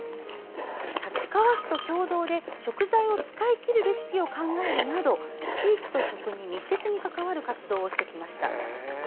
立川市と共同で食材を使いきるレシピを考えるなど地域と食に密接に関わる活動をしてきました。